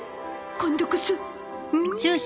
今度こそん！